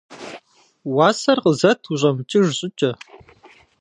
- Уасэр къызэт ущӀэмыкӀыж щӀыкӀэ.